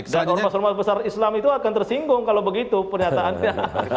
ormas ormas besar islam itu akan tersinggung kalau begitu pernyataannya